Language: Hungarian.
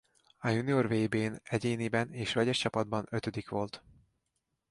A junior vb-n egyéniben és vegyes csapatban ötödik volt.